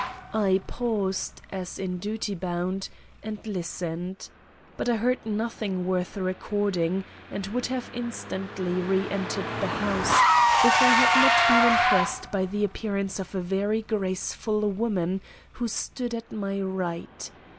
I paused, as in duty bound, and listened. But I heard nothing worth recording, and would have instantly re entered the house, if I had not been impressed by the appearance of a very graceful woman who stood at my right.